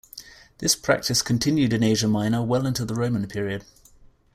This practice continued in Asia Minor well into the Roman period.